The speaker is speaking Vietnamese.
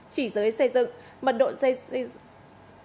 chỉ giới xây dựng mật độ xây dựng